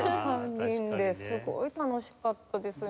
すごい楽しかったです